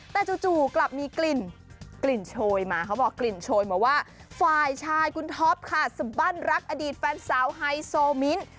แต่จู่กลับมีกลิ่นโชยมาเขาบอกกลิ่นโชยมาว่าฝ่ายชายคุณท็อปค่ะสบั้นรักอดีตแฟนสาวไฮโซมิ้น